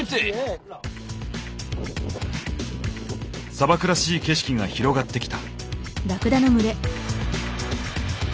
砂漠らしい景色が広がってきた。